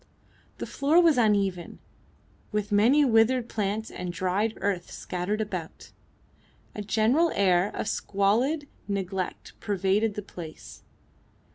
The floor was uneven, with many withered plants and dried earth scattered about. A general air of squalid neglect pervaded the place.